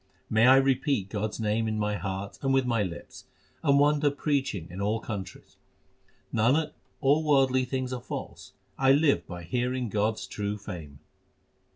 May I repeat God s name in my heart and with my lips, and wander preaching in all countries ! Nanak, all worldly things are false ; I live by hearing God s true fame.